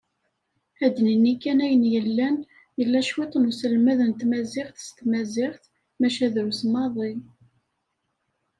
Ad nini kan ayen yellan, yella cwiṭ n uselmed n tmaziɣt s tmaziɣt, maca drus maḍi.